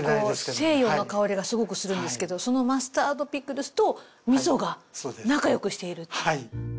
西洋の香りがすごくするんですけどそのマスタードピクルスと味噌が仲よくしている。